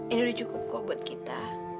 ini udah cukupkingek buat kita